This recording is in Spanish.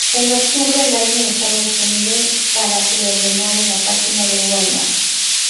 En octubre, el álbum estaba disponible para pre-ordenar en la página de Walmart.